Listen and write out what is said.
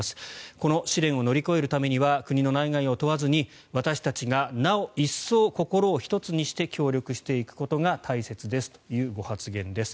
この試練を乗り越えるためには国の内外を問わずに私たちがなお一層心を一つにして協力していくことが大切ですというご発言です。